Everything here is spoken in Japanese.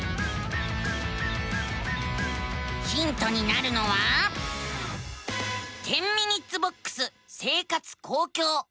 ヒントになるのは「１０ｍｉｎ．ボックス生活・公共」。